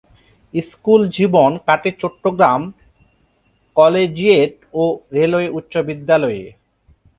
School জীবন কাটে Chittagong collegiate ও রেলওয়ে উচ্চ বিদ্যালয়ে।